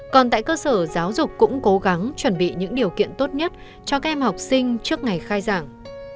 còn tại cơ sở giáo dục cũng cố gắng chuẩn bị những điều kiện tốt nhất cho các em học sinh trước ngày khai giảng